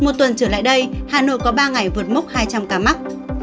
một tuần trở lại đây hà nội có ba ngày vượt mốc hai trăm linh ca mắc